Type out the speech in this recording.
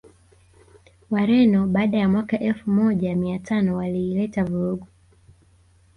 Wareno baada ya mwaka Elfu moja miatano wailileta vurugu